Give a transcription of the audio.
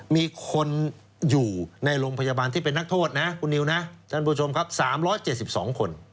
มีคนอยู่ในโรงพยาบาลที่เป็นนักโทษนะคุณนิวนะท่านผู้ชมครับ๓๗๒คน